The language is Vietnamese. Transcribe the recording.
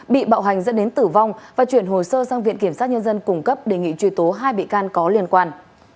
bị bạo hành dẫn đến tử vong và chuyển hồ sơ sang viện kiểm sát nhân dân cung cấp đề nghị truy tố hai bị can có liên quan